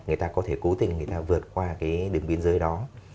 người ta có thể cố tình người ta vượt qua cái đường biên giới đó